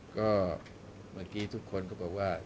ก็เมื่อกี้ทุกคนก็บอกว่า